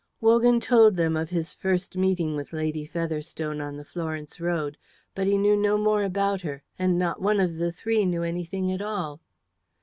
Wogan told them of his first meeting with Lady Featherstone on the Florence road, but he knew no more about her, and not one of the three knew anything at all.